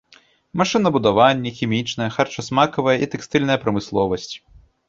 Машынабудаванне, хімічная, харчасмакавая і тэкстыльная прамысловасць.